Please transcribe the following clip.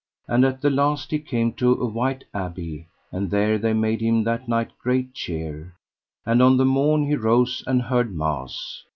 And at the last he came to a white abbey, and there they made him that night great cheer; and on the morn he rose and heard mass.